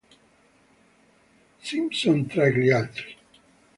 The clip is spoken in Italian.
Simpson tra gli altri.